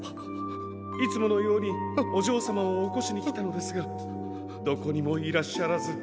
いつものようにおじょうさまをおこしにきたのですがどこにもいらっしゃらず。